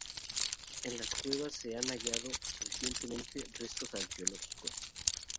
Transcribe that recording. En las cuevas se han hallado recientemente restos arqueológicos.